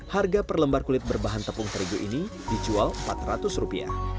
harga per lembar kulit berbahan tepung terigu ini dijual rp empat ratus